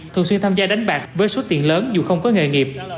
thường xuyên tham gia đánh bạc với số tiền lớn dù không có nghề nghiệp